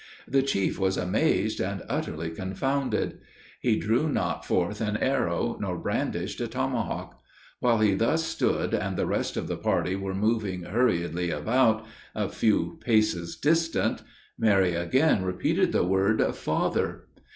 The chief was amazed and utterly confounded. He drew not forth an arrow, nor brandished a tomahawk. While he thus stood, and the rest of the party were moving hurriedly about, a few paces distant, Mary again repeated the word "FATHER!"